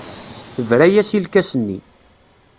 Tebra-as i lkas-nni.